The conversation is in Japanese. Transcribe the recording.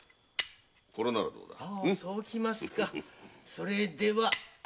それでは。